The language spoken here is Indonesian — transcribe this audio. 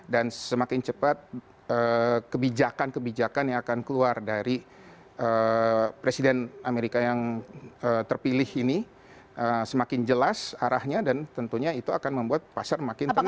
dan semakin cepat kebijakan kebijakan yang akan keluar dari presiden amerika yang terpilih ini semakin jelas arahnya dan tentunya itu akan membuat pasar makin tenang